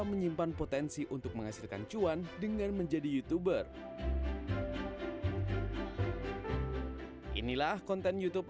menyimpan potensi untuk menghasilkan cuan dengan menjadi youtuber inilah konten youtube